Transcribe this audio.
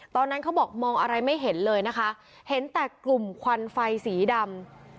ตอนนั้นเขาบอกมองอะไรไม่เห็นเลยนะคะเห็นแต่กลุ่มควันไฟสีดำ